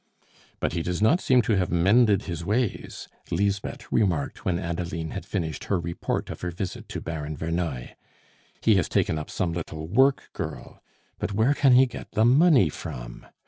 "But he does not seem to have mended his ways," Lisbeth remarked when Adeline had finished her report of her visit to Baron Verneuil. "He has taken up some little work girl. But where can he get the money from?